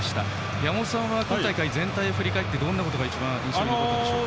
山本さんは今大会全体を振り返ってどんなことが一番印象に残っているでしょうか。